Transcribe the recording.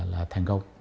là thành công